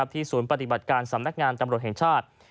ศูนย์ปฏิบัติการสำนักงานตำรวจแห่งชาติ